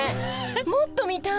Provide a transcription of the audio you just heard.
もっと見たい。